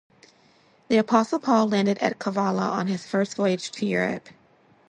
The Apostle Paul landed at Kavala on his first voyage to Europe.